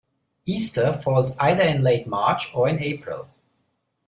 Easter falls either in late March or in April